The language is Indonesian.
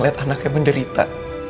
lihat anaknya menderita